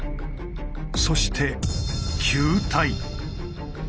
そして「球体」。